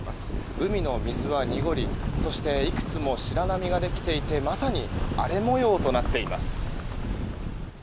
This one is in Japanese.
海の水は濁りそしていくつも白波ができていてまさに、荒れ模様となっています。